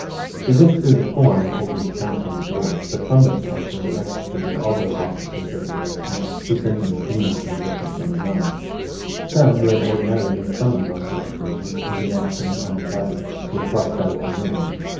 He went through the form of holding a council of war; but from this council he excluded all those officers of the garrison whose sentiments he knew to be different from his own. Some, who had ordinarily been summoned on such occasions, and who now came uninvited, were thrust out of the room.